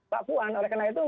mbak puan oleh karena itu